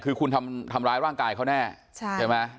คือคุณทำร้ายร่างกายเขาแน่ใช่ไหม